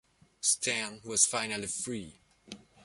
Stan was finally free.